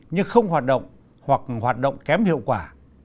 nhưng không hoạt động hoặc hoạt động kém hiệu quả